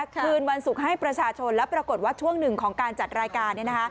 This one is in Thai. คืนวันศุกร์ให้ประชาชนแล้วปรากฏว่าช่วงหนึ่งของการจัดรายการ